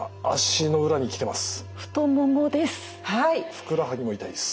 ふくらはぎも痛いです。